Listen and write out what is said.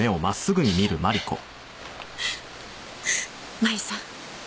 麻由さん